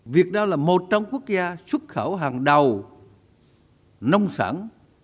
việt nam là một trong quốc gia xuất khẩu hàng đầu nông sản